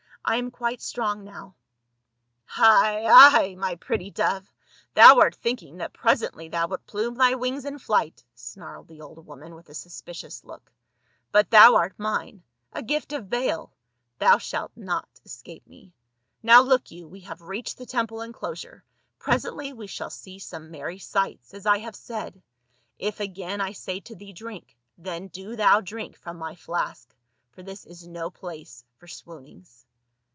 " I am quite strong now." IN THE TEMPLE OF BAAL. 91 " Hi — i, my pretty dove, thou art thinking that presently thou wilt plume thy wings in flight," snarled the old woman with a suspicious look ;" but thou art mine — a gift of Baal ; thou shalt not escape me. Now look you, we have reached the temple enclosure, pre sently we shall see some merry sights, as I have said ; if again I say to thee, drink, then do thou drink from my flask, for this is no place for swoonings."